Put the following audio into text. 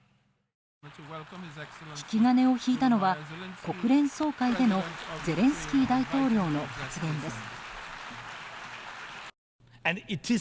引き金を引いたのは国連総会でのゼレンスキー大統領の発言です。